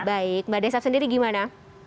baik mbak desaf sendiri gimana